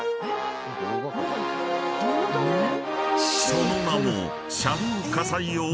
［その名も］